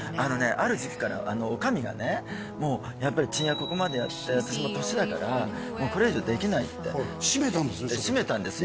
ある時期から女将がねもうやっぱりちんやここまでやって私も年だからもうこれ以上できないって閉めたんです